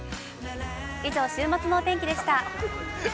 以上、週末のお天気でした。